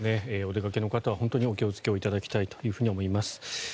お出かけの方は本当にお気をつけいただきたいと思います。